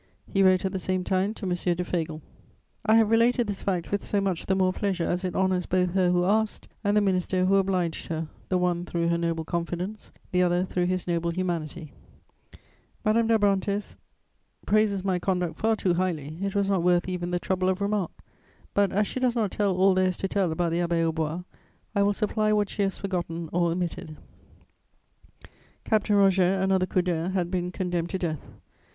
He wrote at the same time to M. de Fagel. "I have related this fact with so much the more pleasure as it honours both her who asked and the minister who obliged her: the one through her noble confidence, the other through his noble humanity." Madame d'Abrantès praises my conduct far too highly: it was not worth even the trouble of remark; but, as she does not tell all there is to tell about the Abbaye aux Bois, I will supply what she has forgotten or omitted. [Sidenote: Captain Roger.] Captain Roger, another Coudert, had been condemned to death.